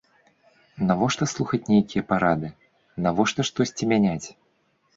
Навошта слухаць нейкія парады, навошта штосьці мяняць?